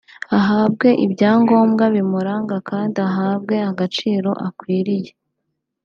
ahabwe ibyangombwa bimuranga kandi ahabwe agaciro akwiriye